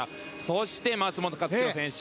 そして、松元克央選手。